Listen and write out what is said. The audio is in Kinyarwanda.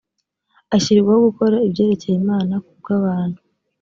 ashyirirwaho gukora ibyerekeye imana ku bw abantu